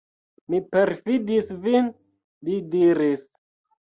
Mi perﬁdis vin, li diris.